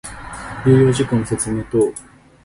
重要事項の説明等